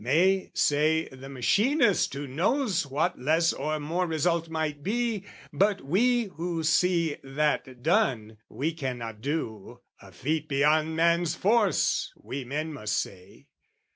may say the Machinist "Who knows what less or more result might be: "But we, who see that done we cannot do, "'A feat beyond man's force,' we men must say.